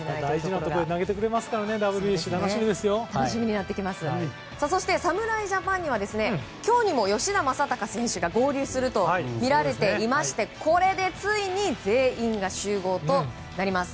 また大事なところで投げてくれますからそして侍ジャパンには今日にも吉田正尚選手が合流するとみられていまして、ついに全員が集合となります。